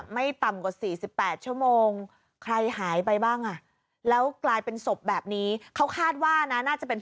ไม่ต่ำกว่า๔๘ชั่วโมง